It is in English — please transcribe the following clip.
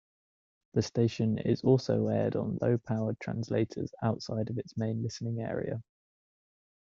The station is also aired on low-powered translators outside of its main listening area.